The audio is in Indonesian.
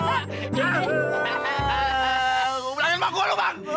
udah belanjut mah gue lo bang